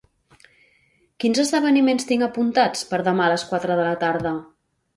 Quins esdeveniments tinc apuntats per demà a les quatre de la tarda?